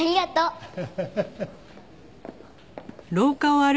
ハハハハ。